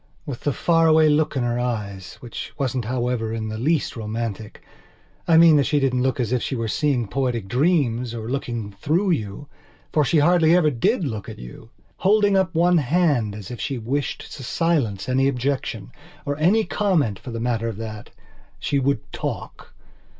With the far away look in her eyeswhich wasn't, however, in the least romanticI mean that she didn't look as if she were seeing poetic dreams, or looking through you, for she hardly ever did look at you!holding up one hand as if she wished to silence any objectionor any comment for the matter of thatshe would talk.